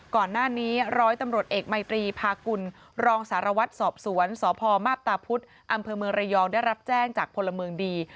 ก่อนหน้านี้ร้อยตำรวจเอกมัยตรีพากุลรองสารวัตรสอบสวนสพมาพตาพุธอำเภอเมืองระยองได้รับแจ้งจากพลเมืองดี